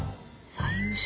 債務者？